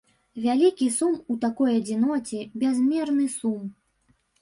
Вялікі сум у такой адзіноце, бязмерны сум.